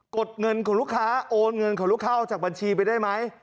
ดเงินของลูกค้าโอนเงินของลูกค้าออกจากบัญชีไปได้ไหม